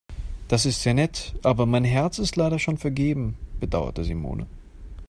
Das ist sehr nett, aber mein Herz ist leider schon vergeben, bedauerte Simone.